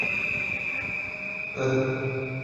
霍纳迪制造公司和手装器具出名。